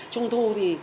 trung thu thì